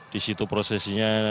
di situ prosesnya